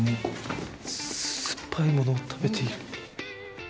酸っぱいものを食べている！